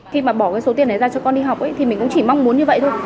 khi mà bỏ cái số tiền đấy ra cho con đi học thì mình cũng chỉ mong muốn như vậy thôi